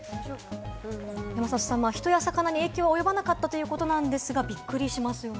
山里さん、人や魚に影響は及ばなかったということなんですが、びっくりしますよね。